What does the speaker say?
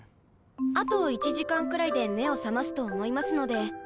あと１時間くらいで目を覚ますと思いますので。